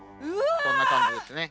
こんな感じですね。